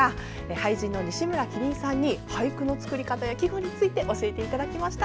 俳人の西村麒麟さんに俳句の作り方や基本について教えていただきました。